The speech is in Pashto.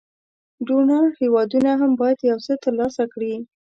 ډونر هېوادونه هم باید یو څه تر لاسه کړي.